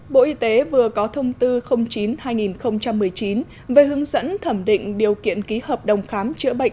bộ y tế vừa có thông tư chín hai nghìn một mươi chín về hướng dẫn thẩm định điều kiện ký hợp đồng khám chữa bệnh